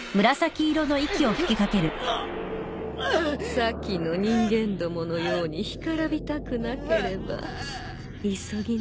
先の人間どものように干からびたくなければ急ぎなんし。